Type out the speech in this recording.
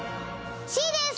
Ｃです！